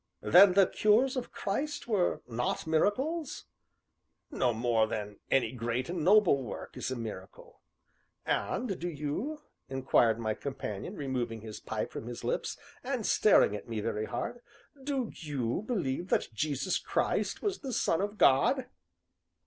"Then the cures of Christ were not miracles?" "No more so than any great and noble work is a miracle." "And do you," inquired my companion, removing his pipe from his lips, and staring at me very hard, "do you believe that Jesus Christ was the Son of God?"